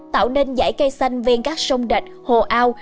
tạo nên dãy cây xanh ven các sông đạch hồ ao